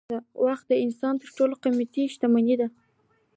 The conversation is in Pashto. وخت د انسان تر ټولو قیمتي شتمني ده